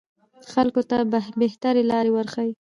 خلکو ته بهترې لارې وروښيي